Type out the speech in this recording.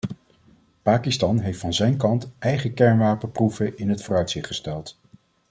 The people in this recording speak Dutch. Pakistan heeft van zijn kant eigen kernwapenproeven in het vooruitzicht gesteld.